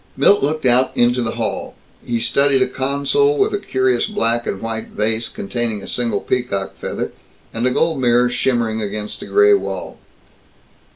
Milt looked out into the hall. He studied a console with a curious black and white vase containing a single peacock feather, and a gold mirror shimmering against a gray wall.